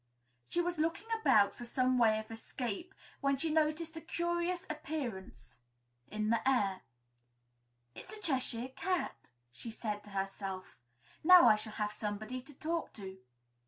She was looking about for some way of escape, when she noticed a curious appearance in the air. "It's the Cheshire Cat," she said to herself; "now I shall have somebody to talk to."